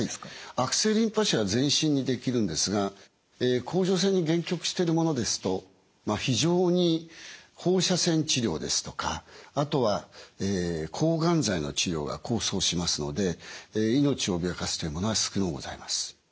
悪性リンパ腫は全身にできるんですが甲状腺に限局しているものですと非常に放射線治療ですとかあとは抗がん剤の治療が功を奏しますので命を脅かすというものは少のうございます。